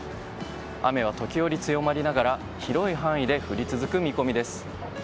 雨は時折強まりながら広い範囲で降り続く見込みです。